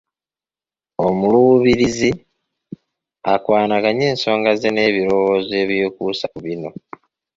Omuluubirizi akwanaganye ensonga ze n’ebirowoozo ebyekuusa ku bino